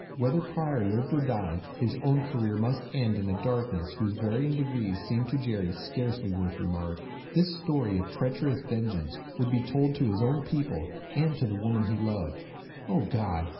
Whether Pryor lived or died, his own career must end in a darkness whose varying degrees seemed to Jerry scarcely worth remark. This story of treacherous vengeance would be told to his own people, and to the woman he loved. Oh, God!